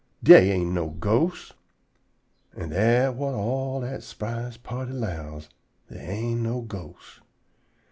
"Dey ain't no ghosts." An' dat whut all dat s'prise party 'lows: dey ain't no ghosts.